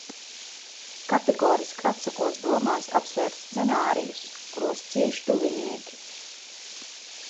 Kategoriski atsakos domās apsvērt scenārijus, kuros cieš tuvinieki.